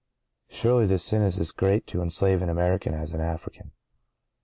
Surely hte sin is as great to enslave an American as an African.